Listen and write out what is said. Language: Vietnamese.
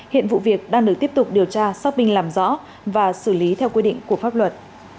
hiện vụ việc đang được tiếp tục điều tra xác minh làm rõ và xử lý theo quy định của pháp luật